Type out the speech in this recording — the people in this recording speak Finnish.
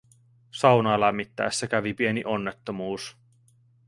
Saunaa lämmittäessä kävi pieni onnettomuus